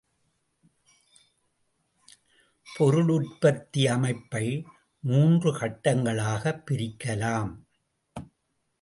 பொருள் உற்பத்தி அமைப்பை மூன்று கட்டங்களாகப் பிரிக்கலாம்.